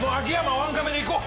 ワンカメで行こう。